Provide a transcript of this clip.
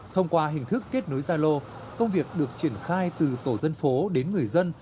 thông qua hình thức kết nối gia lô công việc được triển khai từ tổ dân phố đến người dân